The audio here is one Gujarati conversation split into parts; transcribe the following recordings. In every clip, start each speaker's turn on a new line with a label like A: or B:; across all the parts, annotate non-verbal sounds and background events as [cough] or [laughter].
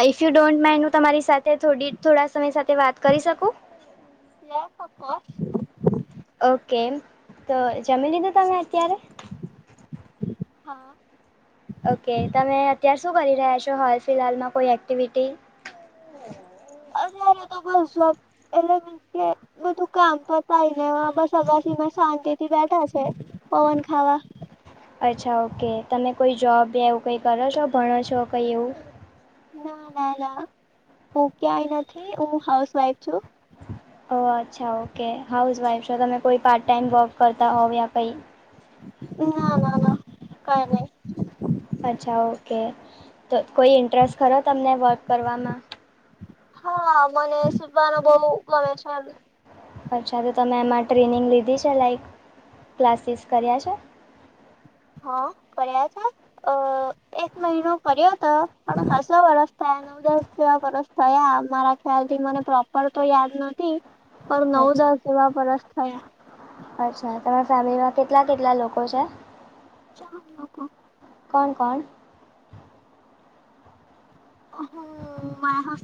A: ઈફ યુ ડોન્ટ માઇડ હું તમારી સાથે થોડા સમય સાથે વાત કરી શકું?
B: Yes of course.
A: ઓકે તો જમી લીધું તમે અત્યારે?
B: હા.
A: ઓકે તમે અત્યાર શું કરી રહ્યા છો હાલ ફિલહાલમાં કોઈ એક્ટિવિટી.
B: અરે અરે તો [unintelligible] એટલે મે કે બધું કામ પટાવી લેવા બસ [unintelligible] માં શાંતિ થી બેઠા છે. પવન ખાવા.
A: અચ્છા ઓકે તમે કોઈ જોબ એવું કંઈ કરો છો ભણો છો કંઈ એવું.
B: ના ના ના હું ક્યાય નથી હું હાઉસ વાઈફ છું.
A: ઓ અચ્છા ઓકે હાઉસ વાઇફ છો તમે કોઈ પાર્ટ ટાઈમ વોબ કરતા હોવ યા કંઈ.
B: ના ના ના કઈ નહી.
A: અચ્છા ઓકે તો કોઈ ઇન્ટરેસ્ટ ખરો તમને વર્ક કરવામાં.
B: હા મને સૂતવાનું બહું ગમે છે.
A: અચ્છા તો તમે એમાં ટ્રેનિંગ લીધી છે લાઈક ક્લાસીસ કર્યા છે.
B: હા કર્યા છે અ એક મહિનો કર્યો હતો પણ ખાસો વર્ષ થયા ને. દસ જેવા વર્ષ થયા મારા ખ્યાલ થી મને પ્રોપર તો યાદ નથી. પણ નવ
A: અચ્છા
B: દસ જેવા વરસ થયા.
A: અચ્છા તમારા ફેમિલીમાં કેટલા કેટલા લોકો છે.
B: [unintelligible]
A: કોણ કોણ
B: હમ્મ માય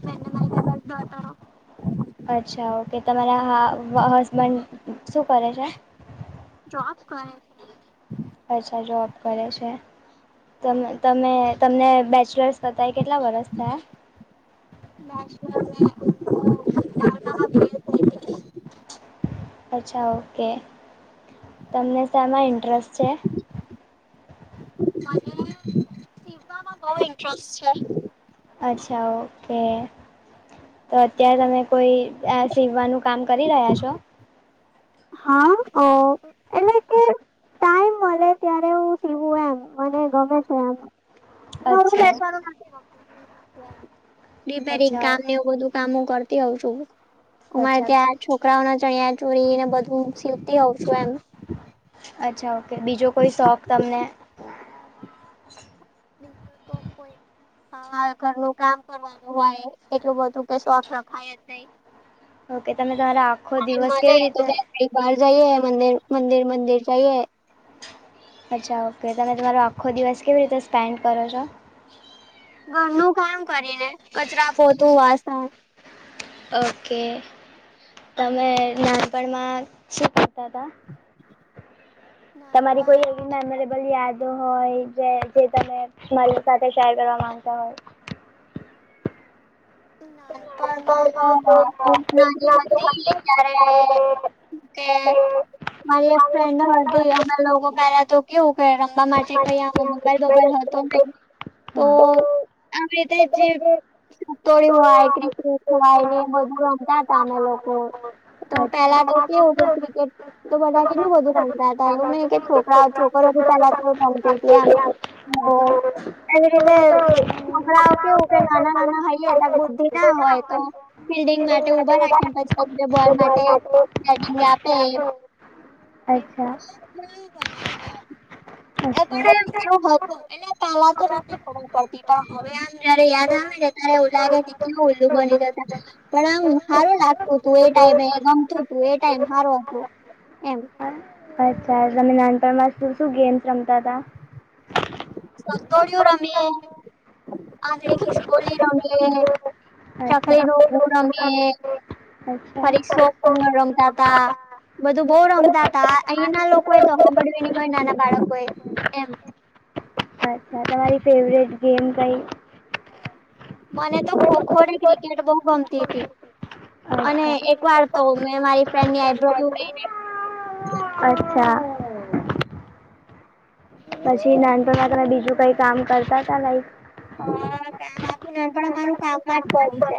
B: [unintelligible]
A: અચ્છા ઓકે તમારા હા હસબન્ડ શું કરે છે.
B: જોબ કરે છે.
A: અચ્છા જોબ કરે છે. તમે તમે તમને બેચલર્સ પતાય કેટલા વરસ થયા.
B: [unintelligible] [unintelligible]
A: અચ્છા ઓકે તમને શમાં ઇન્ટરેસ્ટ છે.
B: મને [unintelligible] ઇન્ટરેસ્ટ છે.
A: અચ્છા ઓકે. તો અત્યારે તમે કોઈ આ શિવનું કામ કરી રહ્યા છો.
B: હા ઓ એટલે કે ટાઈમ મળે ત્યારે હું સીવું એમ મને ગમે છે એમ
A: અચ્છા
B: [unintelligible] રિપેરિંગ
A: અચ્છા
B: કામ ને એવું બધું કામ કરતી હોઉ છું. અમારે
A: અચ્છા
B: ત્યાં છોકરાઓ ના ચણ્યા ચોળીને બધું સીવતી હોઉ છું એમ
A: અચ્છા ઓકે બીજો કોઈ શોખ તમને
B: બીજું તો કોઈ હવે ઘરનું કામ કરવાનું હોય એટલું બધું કે શોખ રખાય જ નઈ
A: ઓકે તમે તમારો આખો દિવસ કેવી રીતે
B: કઈ બહાર જઈએ મંદિર મંદિર મંદિર જઈએ.
A: અચ્છા ઓકે તમે તમારો આખો દિવસ કેવી રીતે સ્પેન્ડ કરો છો.
B: ઘરનું કામ કરીને કચરા પોતું વાસણ
A: ઓકે તમે નાનપણમાં શું કરતા હતા. તમારી
B: નાનપણ
A: કોઈ ના મને બલે યાદો હોય જે તમે મારી સાથે શેર કરવા માંગતા હોય.
B: નાનપણમાં હ હ નાની હતી ત્યારે. તે મારી એક ફ્રેન્ડ હતી અમે લોકો પેલા તો કેવું કે રમવા માટે કઈ રબબર હતો નહી તો
A: હોય
B: આવી રીતે જે તોળી વાય ક્રિસમસ હોય ને એ બધું રમતા ત અમે લોકો તો પેલા તો કેવું હતુ ક્રિકેટ તો બધા કેટલું બધું રમતા હતા એવું નને કે છોકરા છોકરો પલા રમતી હતી એમ
A: હા
B: હ એવી રીતે છોકરાઓ કેવું કે નાના નાના હઈ. સદ બુદ્ધિ ના હોય તો ફિલ્ડિંગ માટે ઉભા રાખે પછી બોલ માટે. કડીગ આપે. એવી
A: અચ્છા.
B: [unintelligible] એટલે
A: અચ્છા અચ્છા
B: પહેલા તો નથી કરવું પડતી. પણ હવે આમ જયારે યાદ આવે ને ત્યારે. નારે ડીસી ઓલ્લું બની જતા. પણ આમ સારું લાગતું હતું. એ ટાઈમે ગમતું હતું. એ ટાઈમ સારો હતો એમ.
A: અચ્છા તમે નાનપણમાં શું શું ગેમ્સ રમતા હતા.
B: ચક્કોડીયુ રમિયે. આઘરિકિસ્કોલી રમિયે
A: અચ્છા
B: ચકલીનો ગો રમિયે
A: અચ્છા
B: પરીક્ષો મંગળ રમતા હતા. બધું બહુ રમતા હતા અહીં ના લોકોએ તો સાંભડવી નહી હોય નાના બાળકો એ એમ.
A: અચ્છા
B: [inaudible]
A: તમારી ફેવરેટ ગેમ કઈ.
B: મને તો ખોખો ને ક્રિકેટ બહુ ગમતી હતી. અને
A: અચ્છા
B: એક વાર તો મે મારી ફ્રેન્ડની આ ઈબ્રાહિમને લઈ.
A: અચ્છા. પછી નાન પણમા બીજું કઈ કામ કરતા હતા લાઈક.
B: હા કામ આપું ન પણ અમારું કામમાં જ બવું છે.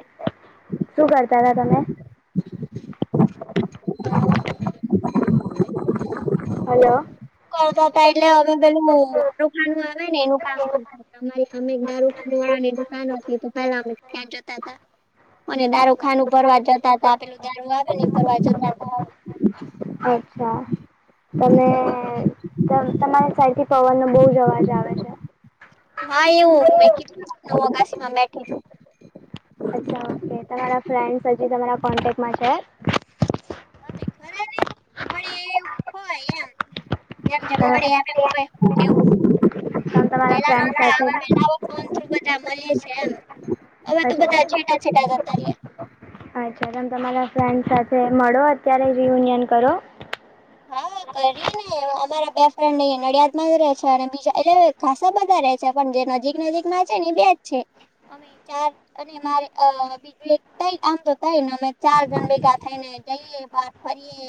A: શું કરતા હતા તમે.
B: [inaudible]
A: હાલો.
B: કરતાતા એટલે હવે પેલું મુ મુ દુકાન નું આવે ને એનું કામ કરતાતા હમારી. અમે દારૂકા વાળાની દુકાન હતી તો, પહેલા અમે ખ જતા હતા. અને દારૂ ખાનું ભરવા જતા હતા. આપેલું દારૂ આવે ને ફરવા જતા હતા.
A: અચ્છા! તમે તમારી સાઈડ થી પવવાન નુ બહુ જ અવાજ આવે છે.
B: હા! એવું કીધ કશી માં બેઠી.
A: અચ્છા! ઓકે તમારા ફ્રેન્ડ્સ હજી તમારા કોન્ટેકમાં છે?
B: અ ખરા ને મળી એવું હોય એમ. જેમ જેમ મળી
A: તમે
B: આવે.
A: તમારા ફ્રેન્ડ
B: [unintelligible]
A: સાથે
B: ફોન થ્ર બધા મળે છે. હવે તો
A: અચ્છા
B: બધા છેટાછટ જાતા રયા
A: અચ્છા તમ તમારા ફ્રેન્ડ સાથે મળો અત્યારે રિયુનિયન કરો
B: કરી ને. અમારા બોયફ્રેન્ડ એ નડિયાદ માં જ ર રહે છે. અને બીજા એટલે ખસા બધા રે, પણ જે નજીક નજીક માં છે ને, બેજ છે. અમે ચાર. અને મારે બીજું એક તઈ એમ ચાર જણ ભેગા થઈ ને જઈએ. ફરીએ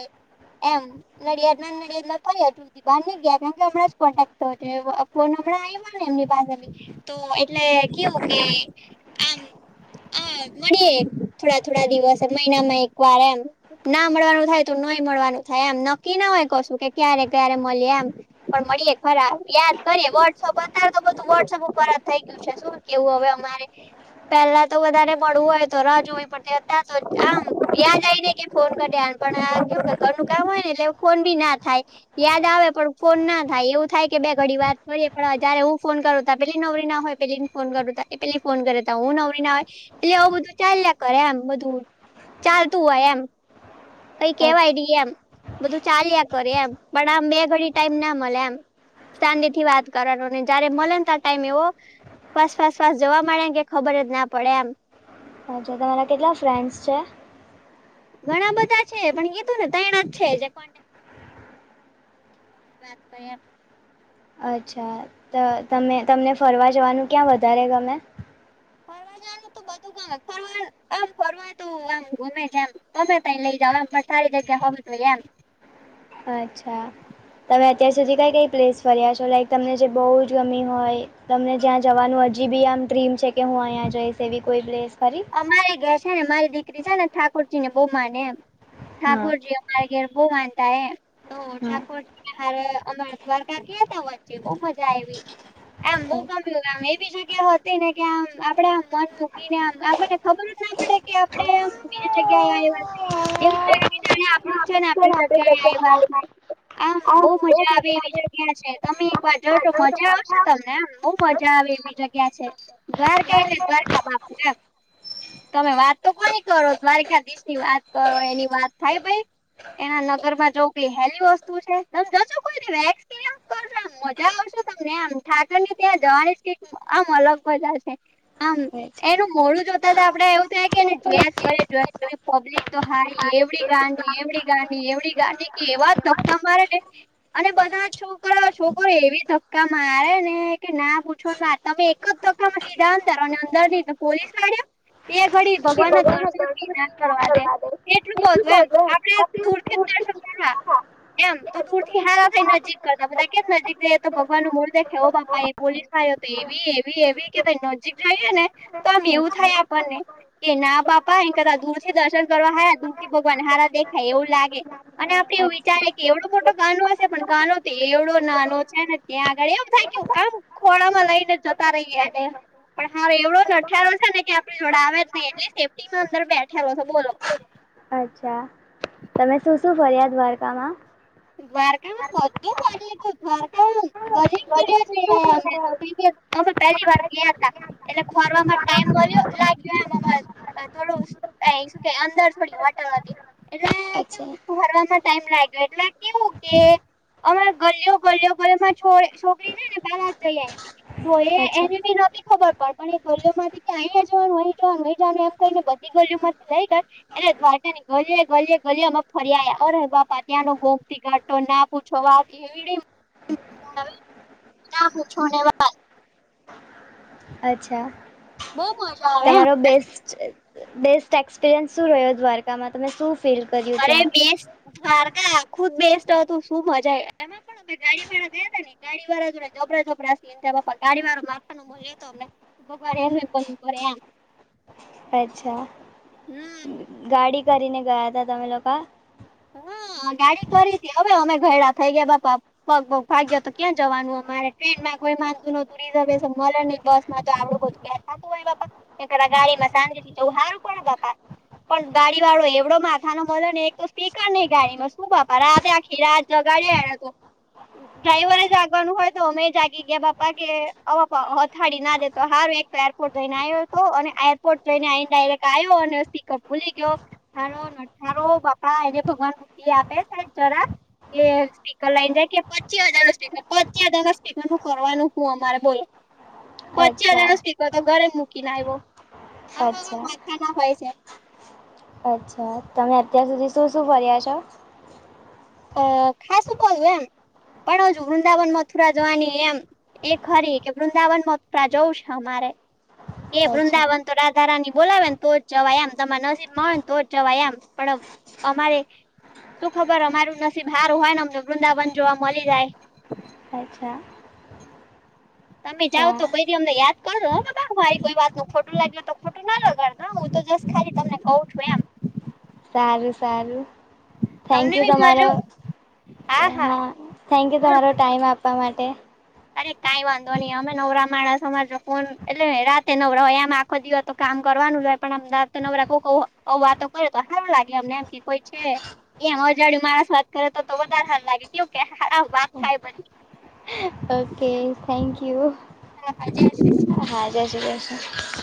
B: એમ. નડિયાદ નાન નડિયાદમાં ફરી હતું. બાર નહી ગયા. કારમ કે હમં જ કોન્ટેક્ટ થયો. ફોન હમણાં આવી્યોયો ને એમની પાસે. તો એટલે કેવું કે આમ હા, મળીએ થોડા થોડા દિવસ. મહિનામાં એક વાર એમ. ના મળવાનું થાય તો, ન મળવાનું થાય એમ. નક્કી ના હોય. કશું કે ક્યારે ક્યારે મળી એમ. પણ મળીએે. ખરાબ યાદ કરીએ. વોટ્સઅપ અત્યારે તો બધું વોટ્સઅપ પરત થઇ ગયું. છે શું કેવું હવે અમારે. પેલા તો વધારે મળવું હોય તો, રાહ જોવી પડતી હોય અત્યારે તો, યાદ આવે ને કે ફોન કરી દેવાનો. પણ જો ઘરનું કામ હોય ને, એટલે ફોન બી ના થાય. યાદ આવે. પણ ફોન ના થાય. એવું થાય કે બે ઘડી વાત કરીએ. પણ જયારે હું ફોન કરું ત પેલી નવરી ના હોય. પે ફોન કર એ પેલી ફોન કરે ત હું નવરી ના આવે. પેલે આવું બધું ચાલ્યા કરે એમ બધું. ચાલતું હોય એમ. કઈ કેવાય
A: અચ્છા
B: એમ. બધું ચાલ્યા કર એમ. પણ આમ બે ઘડી ટાઈમ ના મળે એમ. શાંતિથી વાત કરવાનુ ને જયારે મલે ને તા ટાઈમ એવો, ફસ ફાસ ફાસ જોવા મળડે એમ કે ખબર જ ના પડે એમ.
A: હાચું, તમારા કેટલા ફ્રેન્ડસ છે?
B: ઘણા બધા છે પણ કીધું ને તૈણા જ છે. વાત કરીએ,
A: અચ્છા! તો તમે તમને ફરવા જવાનું ક્યાં વધારે ગમે?
B: ફરવા જનું તો બધું ગમે ફરવાનું આમ ફરવા તું એમ ગુમે છે એમ ગમે ત લઈ જાવ એમ પણ સારી જગ્યા હોય તો એમ.
A: અચ્છા તમે અત્યાર સુધી કઈ કઈ પ્લેસ ફર્યા છો લાઈક તમને જે બહુ જ ગમી હોય તમને જ્યાં જવાનું હજી બી આમ ડ્રીમ છે કે હું અહીં જઈશ એવી કોઈ પ્લેસ ખરી?
B: અમારી ઘેર છે ને મારી દીકરી છે ને ઠાકોરજી ને બહુ માને એમ
A: હા
B: ઠાકોરજી, મા ઘરે બહુ માનતા એમ [inaudible] તો ઠાકોરજી હ અમારા દ્વારકા કયા ત વચ્ચે બહુ મજા આયવી આમ બહુ
A: હા
B: ગમ્યું આમ એવી જગ્યા હતી ને કે આમ આપડે આમ મન મૂકીને આમ મને ખબર જ ના પડે કે આપડે બીજી જગ્યાએ આવ છે એવું થય ને કે આપણું જ છે ને આપણી જગ્યાએ આવવા છે. આમ બહુ મજા આવે એવી જગ્યા છે તમે એક વાર જાજો મજા આવશે તમને આમ બોવ મજા આવે એવી જગ્યા છે દ્વારકા એટલે દ્વારકા બાપુ એમ તમે વાત તો કોની કરો દ્વારકાધીશ ની વાત કરો એની વાત થાય ભાઈ એના નગરમાં જોવ કઈ હેલી વસ્તુ છે. ત કરશો આમ મજા આવશશે તમને આમ ઠાકર ને ત્યાં જવાની આમ અલગ મજા છે આમ એનું મોડું, જોતા આપડે એવું થાય કે ને જોસ કર જો અને પબ્લિક તો હારી એવડી ગાંડી એવડી ગાડી એવડી ગાડી કી એવા ધક્કા મારે ને અને બધા છોકરા છોકરો એવી ધક્કા મારે ને કે ના પૂછવા તમે [unintelligible] એ ઘડી ભગવાન ના દર્શન પ ના કરવા દે એટલું કહ હતું એમ આપડ [unintelligible]
A: અચ્છા. અચ્છા.
B: એમ તો દૂરથીારા થઈ નજીક કરતા બધા કે નજીક જઈ તો ભગવાનનું મોડું દેખાઈ પોલીસ આવાયો તો એવી એવી એવી કે નજીક જઈએ ને તો આમ એવું થાય આપણને કે ના પાપા એ કરતા દૂર થી દર્શન કરવા હયા દૂર થી બગન હારા દેખાય એવું લાગે અને આપડે એવું વિચારે કે એવડો મોટો કાનો હશે પણ કાનો તો એવડો નાનો છે. ત્યાં આગળ એમ થાય કે આમ ખોડામાં લઈને જતા રહીએ એને. પણ હા એવડો જ અઠારો છે ને કે આપડે જોડે આવે જ નહીં એટલે સેફ્ટી માં અંદર બેઠેલો છે બોલો.
A: અચ્છા. તમે શું-શું ફર્યા દ્વારકામાં?
B: દ્વારકામાં બધું ફરી લીધું. દ્ધારકાનું [unintelligible] અમે પહેલી વાર ગયા તા. એટલે ખોરવામાં ટાઈમ [unintelligible] લાગ્યો એમમ અહ થોડું આય શું કે અંદર થોડી હોટલ હતી, એટલે
A: અચ્છા
B: કેવું [unintelligible] ફરવામાં ટાઈમ લાયગો એટલે કેવું કે અમારે ગલીઓ-ગલીઓ [unintelligible] છો છોકરી રેય ને [unintelligible] જઈ આવી. તો એ
A: અચ્છા
B: એને બી નોતી ખબર પડ પણ એ [unintelligible] ઓ માંથી કે અહીયાં જવાનું [unintelligible] બધી ગોલીઓ માંથી લઈ ગઈ એટલે દ્વારકા ની ગલીયે ગલીયે ગલીયે અમે ફરી આયા. અરે બાપા ત્યાં નું ઘો [unintelligible] ના પૂછો વાત એવડી [inaudible] ના પૂછો ને વાત.
A: અચ્છા.
B: બહુ મજા આવે એમ
A: તમારો બેસ્ટ બેસ્ટ એક્સપિરિયન્સ શું રહ્યો, દ્વારકામાં તમે શું ફીલ કર્યું?
B: અરે
A: ત્યાં
B: બેસ્ટ દ્વારકા આ ખુદ બેસ્ટ હતું. શું મજા [unintelligible] [unintelligible] ગાડી વાળા જોડે [unintelligible] રહ્યો તો અમને, કોક વાર [unintelligible]
A: અચ્છા.
B: હમ
A: ગાડી કરીને ગયા હતા તમે લોકા?
B: હમ્મ. આ ગાડી કરી તી, હવે અમે ઘરડાં થઈ ગયા બાપા પગ બગ ભાંગ્યો તો ક્યાં જવાનું અમારે, ટ્રેનમાં કોઈ માનતું નોતું, રિઝર્વેશન મલે નહીં બસ. [unintelligible] પન ગાડી વાળો એવડો માથા નો મલ્યો એ તો પીકા નહીં ગાડીમાં, શું બાપા રાતે આખી રાત જગાડ્યો એને તો. ડ્રાઈવરે જાગવાનું હોય તો અમે જાગી ગયા, બાપા કે અથાળી ના દેતો હારું [unintelligible] તો એરપોર્ટ જઈને આયો તો, અને એરપોર્ટ જઈને આઈને ડાયરેક્ટ આયો, અને સ્પીકર ભૂલી ગયો. હારો નઠારો બાપા એને ભગવાન બુદ્ધિ આપે સાઈડ જરાક. કે સ્પીકર લાઈને જાય કે પચી હજાર નો સ્પીકર, પચી હજાર નો સ્પીકર નું કરવાનું હું અમારે બોલો?
A: [inaudible]
B: પચી
A: અચ્છા
B: હજારનું સ્પીકર, તો ઘરે મૂકીન આવ્યો. આવા-આવા
A: અચ્છા
B: માથા ના હોય છે.
A: અચ્છા. તમે અત્યાર સુધી શું-શું ફર્યા છો?
B: અહ ખાસું કોઈ એમ. પણ હજુ વૃંદાવન, મથુરા જવાની એમ એ ખરી કે વૃંદાવનમાં [unintelligible] જવું છે અમારે. એ
A: અચ્છા
B: વૃંદાવન તો [unintelligible] ધારાની બોલાવે ને તો જવાય એમ, તમારા નસીબ માં હોય ને તો જ જવાય એમ. પણ અમારે તું ખબર અમારું નસીબ હારું હોય ને અમને વૃંદાવન જોવા મલી જાય.
A: અચ્છા.
B: તમે જાવ
A: સા
B: તો કોઈ દી અમને યાદ કરજો હો બાબા, અમારી કોઈ વાત નું ખોટું લાગ્યું તો ખોટું ન લગાડ તા હું તો જસ્ટ ખાલી તમને કઉ છું એમ.
A: સારું-સારું. થેન્ક
B: તમને
A: યુ
B: બી
A: તમારો.
B: મજા
A: હા. થેન્ક યુ
B: બોલો
A: તમારો ટાઈમ આપ વા માટે.
B: અરે કાંઈ વાંધો નહીં, અમે નવરા માણસો માટે સમાજો ફોન, એટલે રાતે નવરા હોય એમ આ ખો દી હો તો કામ કરવાનું જ હોય, પણ [unintelligible] કોકો વાતો કરે તો હારું લાગે અમને એમ કે કોઈ છે. એ અજાણ્યું માણસ વાત કરે તો-તો વધારે હારું લાગે કેવું કે હાવ વાત થાય પછી.
A: Okay, thank you.
B: [inaudible]
A: હા જય શ્રી કષ્ણ.